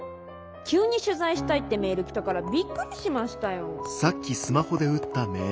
急に「取材したい」ってメール来たからびっくりしましたよ。